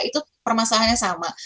itu permasalahannya sama